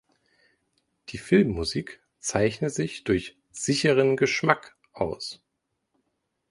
Die Filmmusik zeichne sich durch „sicheren Geschmack“ aus.